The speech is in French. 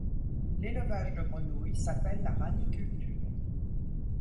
L'élevage de grenouilles s' appelle la raniculture.